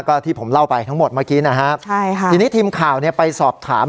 ก็ที่ผมเล่าไปทั้งหมดเมื่อกี้นะฮะใช่ค่ะทีนี้ทีมข่าวเนี่ยไปสอบถาม